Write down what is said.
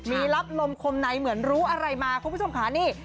มีรับลมคมในเหมือนรู้อะไรมาคุณผู้ชมค่ะนี่